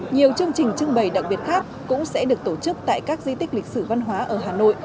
nhiều chương trình trưng bày đặc biệt khác cũng sẽ được tổ chức tại các di tích lịch sử văn hóa ở hà nội